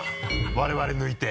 我々抜いて。